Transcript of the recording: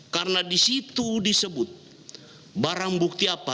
karena di situ disebut barang bukti apa